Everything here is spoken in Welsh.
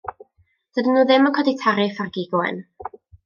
Dydyn nhw ddim yn codi tariff ar gig oen.